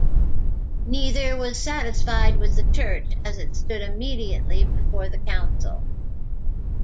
Neither was satisfied with the Church as it stood immediately before the Council.